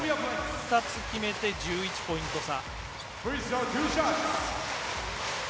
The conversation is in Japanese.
２つ決めて、１１ポイント差。